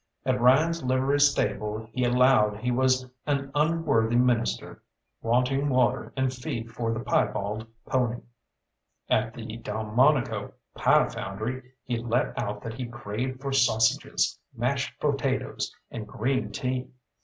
At Ryan's livery stable he allowed he was an unworthy minister, wanting water and feed for the piebald pony. At the Delmonico pie foundry he let out that he craved for sausages, mashed potatoes, and green tea.